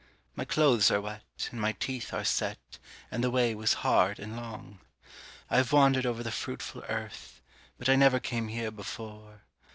My clothes are wet, and my teeth are set, And the way was hard and long. I have wandered over the fruitful earth, But I never came here before.